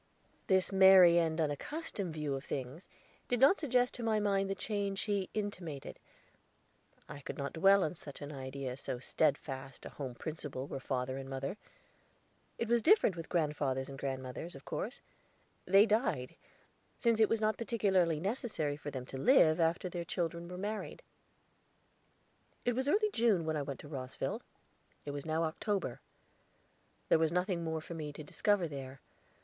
This merry and unaccustomed view of things did not suggest to my mind the change he intimated; I could not dwell on such an idea, so steadfast a home principle were father and mother. It was different with grandfathers and grandmothers, of course; they died, since it was not particularly necessary for them to live after their children were married. It was early June when I went to Rosville; it was now October. There was nothing more for me to discover there.